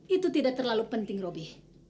itu tidak terlalu penting roby